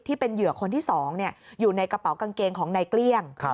ที่เป็นเหยื่อคนที่๒อยู่ในกระเป๋ากางเกงของนายเกลี้ยง